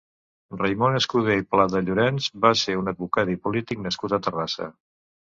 Raimon Escudé i Pladellorens va ser un advocat i polític nascut a Terrassa.